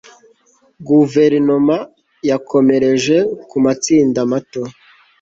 guverinoma yakomereje ku matsinda mato